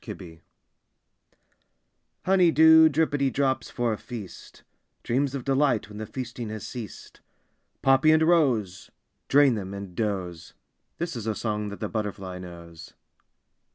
SONG Honey dew drippity drops for a feast, Dreams of delight when the feasting has ceased, Poppy and rose, Drain them and doze; This is a song that the butterfly knows.